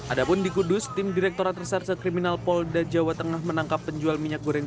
adapun dikudus tim direktorat reserse kriminal polda jawa tengah menangkap penjual minyak goreng